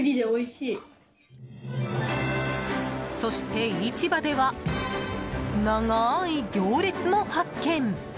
そして市場では長い行列も発見。